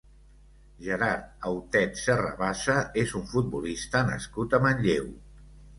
Gerard Autet Serrabasa és un futbolista nascut a Manlleu.